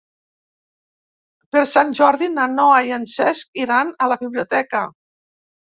Per Sant Jordi na Noa i en Cesc iran a la biblioteca.